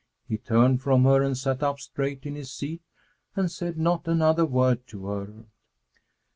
He turned from her, and sat up straight in his seat and said not another word to her.